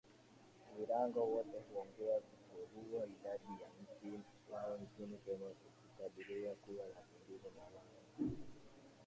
Girango wote huongea Dholuo Idadi yao nchini Kenya inakadiriwa kuwa laki mbili na wao